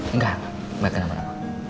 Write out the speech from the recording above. enggak makanya kenapa kenapa